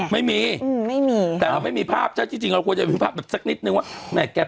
ไม่มีแต่ว่าไม่มีภาพใช่จริงกูจะมีภาพไปสักนิดนึงนะครับ